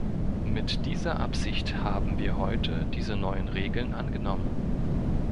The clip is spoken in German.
Mit dieser Absicht haben wir heute diese neuen Regeln angenommen.